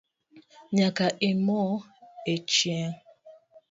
Nyaka imo echieng